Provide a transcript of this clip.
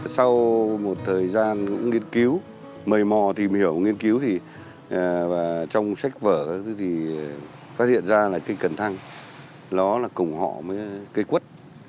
sau một thời gian nghiên cứu mời mò tìm hiểu nghiên cứu thì trong sách vở thì phát hiện ra là cây cần thăng nó là cổng họ với cây quất